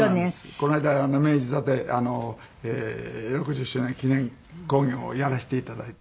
この間明治座で６０周年記念興行をやらせて頂いて。